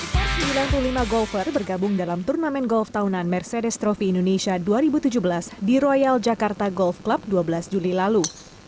sebanyak sembilan puluh lima golfer bergabung dalam turnamen golf tahunan mercedes trofi indonesia dua ribu tujuh belas di royal jakarta golf club dua belas juli lalu